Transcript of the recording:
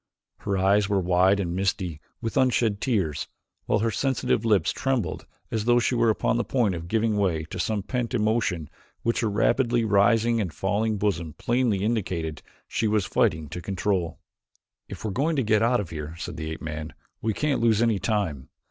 Her eyes were wide and misty with unshed tears, while her sensitive lips trembled as though she were upon the point of giving way to some pent emotion which her rapidly rising and falling bosom plainly indicated she was fighting to control. "If we are going to get out of here," said the ape man, "we can't lose any time.